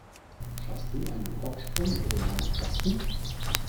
Schaffst du einen Hocksprung über den langen Kasten?